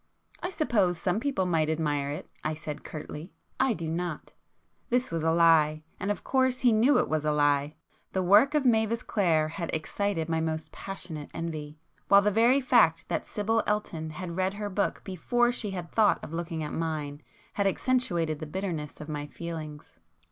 "I suppose some people might admire it,"—I said curtly, "I do not." This was a lie; and of course he knew it was a lie. The work of Mavis Clare had excited my most passionate envy,—while the very fact that Sibyl Elton had read her book before she had thought of looking at mine, had accentuated the bitterness of my feelings.